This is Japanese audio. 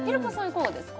いかがですか？